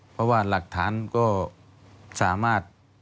เพราะว่าหลักฐานก็สามารถ